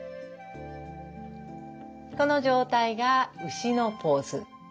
この状態が牛のポーズ。